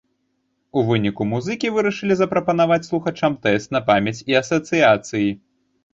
У выніку музыкі вырашылі запрапанаваць слухачам тэст на памяць і асацыяцыі.